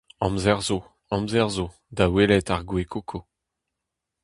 Amzer zo, amzer zo, da welet ar gwez koko.